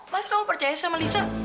mas kamu percaya sama lisa